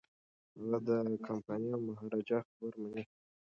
هغه د کمپانۍ او مهاراجا خبره مني.